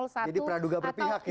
jadi praduga berpihak gitu ya